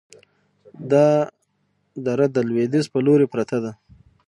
دا دره د لویدیځ په لوري پرته ده،